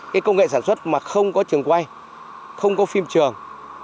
cái công nghệ sản xuất mà không có trường quay không có phim trường